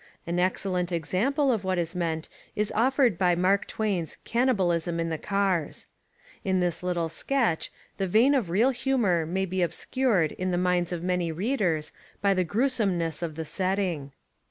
An excellent example of what is meant is offered by Mark Twain's Can nibalism in the Cars. In this little sketch the vein of real humour may be obscured in the minds of many readers by the gruesomeness of the setting.